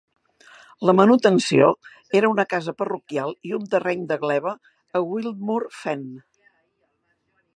La manutenció era una casa parroquial i un terreny de gleva a Wildmoor Fen.